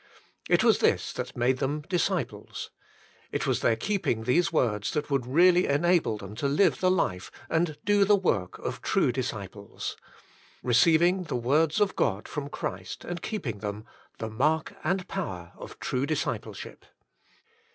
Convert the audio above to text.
It was this that made them disciples. It was their keeping these words that would really enable them to live the life and do the work of true disciples. Eeceiving the ^Toeds of God from Christ AND Keeping Them, the Mark and Power of True Discipleship.